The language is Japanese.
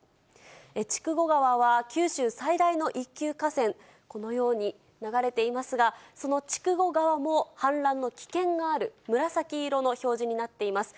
筑後川は九州最大の一級河川、このように流れていますが、その筑後川も氾濫の危険がある紫色の表示になっています。